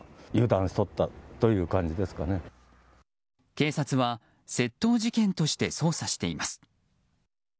警察は窃盗事件として捜査しています。